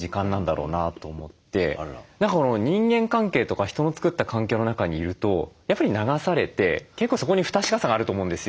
何か人間関係とか人の作った環境の中にいるとやっぱり流されて結構そこに不確かさがあると思うんですよ。